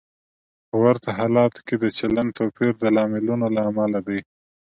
په ورته حالتونو کې د چلند توپیر د لاملونو له امله دی.